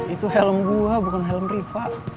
itu helm gue bukan helm rifa